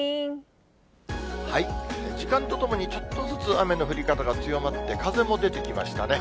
時間とともに、ちょっとずつ雨の降り方が強まって、風も出てきましたね。